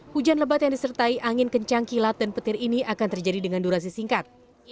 hujan lebat yang disertai angin kencang kilat dan petir ini akan terjadi dengan durasi singkat